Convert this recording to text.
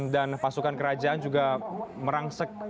dan pasukan kerajaan juga merangsek masuk ke kantor dprd